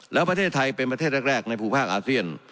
แล้วประเทศไทยเป็นประเทศแรกในภูมิภาคอาเซียน